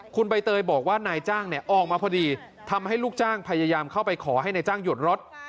คุณใบเตยบอกว่านายจ้างออกมาพอดีทำให้ลูกจ้างพยายามเข้าไปขอให้นายจ้างหยุดรถ